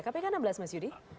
kpk enam belas mas yudi